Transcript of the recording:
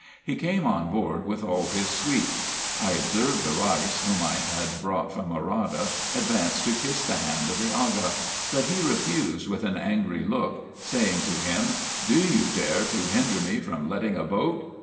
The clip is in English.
He came on board with all his suite. I observed the Reis, whom I had brought from Morada, advance to kiss the hand of the Aga ; but he refused with an angry look, saying to him, " Do you dare to hinder me from letting a boat."